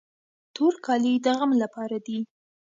تور کالي د غم لپاره دي.